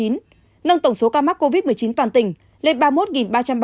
nâng tổng số ca mắc covid một mươi chín toàn tỉnh lên ba mươi một ba trăm ba mươi